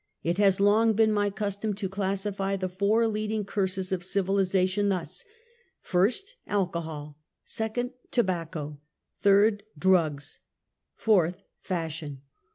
It has long been my custom to classify the four leading curses of civilization thus : 1st, alchol ; 2d, tobacco ; 3d, drugs ; 4th, fashion.